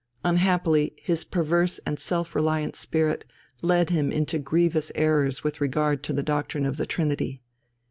Unhappily his perverse and self reliant spirit led him into grievous errors with regard to the doctrine of the Trinity.